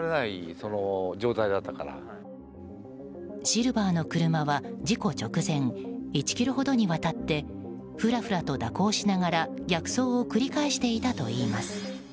シルバーの車は事故直前１ｋｍほどにわたってふらふらと蛇行しながら逆走を繰り返していたといいます。